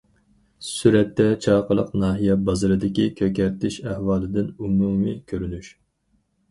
سۈرەتتە: چاقىلىق ناھىيە بازىرىدىكى كۆكەرتىش ئەھۋالىدىن ئومۇمىي كۆرۈنۈش.